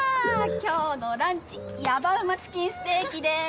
今日のランチやばうまチキンステーキです。